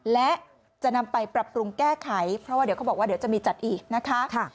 และจะนำไปปรับปรุงแก้ไขเพราะว่าเดี๋ยวเขาบอกว่าเดี๋ยวจะมีจัดอีกนะคะ